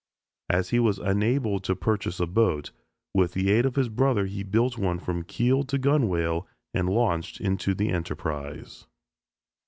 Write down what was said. As he was unable to purchase a boat, with the aid of his brother he built one from keel to gunwale and launched into the enterprise.